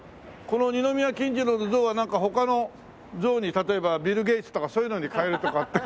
この二宮金次郎の像はなんか他の像に例えばビル・ゲイツとかそういうのに変えるとかって。